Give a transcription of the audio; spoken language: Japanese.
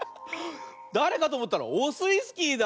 だれかとおもったらオスイスキーだ。